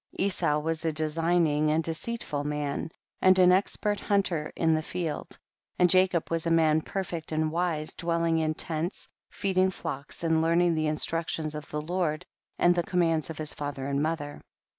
Esau was a de signing and deceitful man, and an expert hunter in the field, and Jacob was a man perfect and wise, dwelling in tents, feeding flocks and learning the instructions of the Lord and the commands of his father and mother.